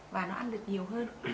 và nó ăn được nhiều hơn